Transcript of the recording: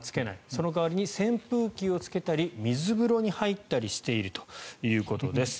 その代わりに扇風機をつけたり水風呂に入ったりしているということです。